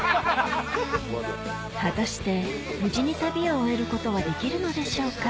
果たして無事に旅を終えることはできるのでしょうか？